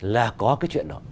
là có cái chuyện đó